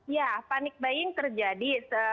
ya panik buying terjadi